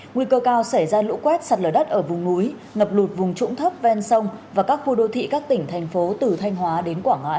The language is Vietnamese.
nguy cơ cao xảy ra lũ quét sạt lở đất ở vùng núi ngập lụt vùng trũng thấp ven sông và các khu đô thị các tỉnh thành phố từ thanh hóa đến quảng ngãi